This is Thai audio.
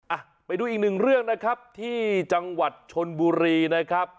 อ่ะไปดูอีกหนึ่งเรื่องนะครับที่จังหวัดชนบุรีนะครับ